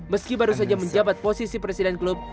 meski baru saja menjabat posisi presiden klub